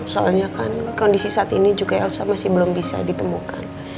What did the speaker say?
soalnya kan kondisi saat ini juga elsa masih belum bisa ditemukan